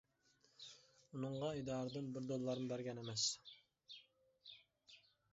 ئۇنىڭغا ئىدارىدىن بىر دوللارمۇ بەرگەن ئەمەس.